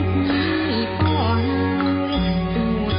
ทรงเป็นน้ำของเรา